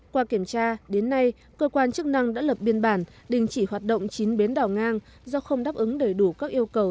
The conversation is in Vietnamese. qua kiểm tra đến nay cơ quan chức năng đã lập biên bản đình chỉ hoạt động chín bến đỏ ngang do không đáp ứng đầy đủ các yêu cầu